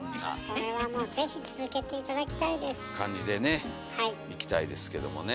これはもうぜひ続けて頂きたいです。感じでねいきたいですけどもね。